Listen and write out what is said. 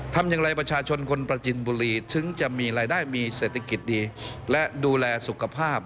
ทำอย่างไรประชาชนคนประจินบุรีถึงจะมีรายได้มีเศรษฐกิจดีและดูแลสุขภาพ